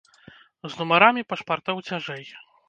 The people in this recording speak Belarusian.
З нумарамі пашпартоў цяжэй.